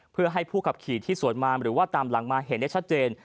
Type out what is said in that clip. เพื่อให้ผู้ขับขี่ที่สวนมาหรือว่าตามหลังมาเห็นได้ชัดเจน